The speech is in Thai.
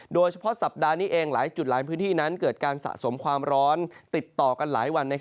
สัปดาห์นี้เองหลายจุดหลายพื้นที่นั้นเกิดการสะสมความร้อนติดต่อกันหลายวัน